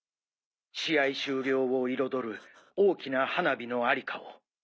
試合終了を彩る大きな花火の在りかを。